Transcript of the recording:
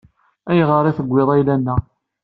Ayɣer i tewwiḍ ayla-nneɣ?